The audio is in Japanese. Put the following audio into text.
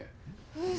うん？